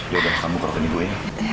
ya udah kamu kerokin ibu ya